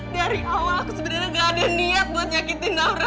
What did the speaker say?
dari awal aku sebenarnya gak ada niat buat nyakitin daura